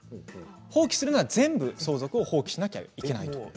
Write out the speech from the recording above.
放棄するのは全部相続を放棄しないといけない。